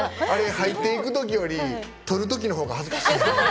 入っていくときよりとるときのほうが恥ずかしい。